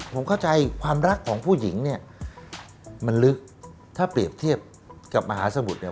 ผมเข้าใจความรักของผู้หญิงเนี่ยมันลึกถ้าเปรียบเทียบกับมหาสมุทรเนี่ย